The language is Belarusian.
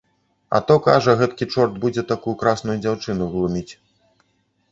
А то, кажа, гэтакі чорт будзе такую красную дзяўчыну глуміць.